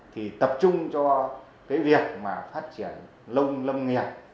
thì tập trung cho việc phát triển lông nghiệp